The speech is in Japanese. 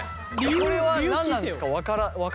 これは何なんですか？